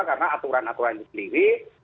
karena aturan aturan itu sendiri